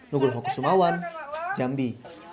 nugul hokusumawan jambi